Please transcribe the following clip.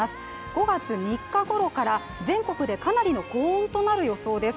５月３日ごろから全国でかなりの高温となる予想です。